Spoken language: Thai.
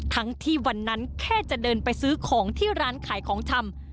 ทั้งที่วันนั้นแค่จะเดินไปซื้อของที่ร้านขายของชำ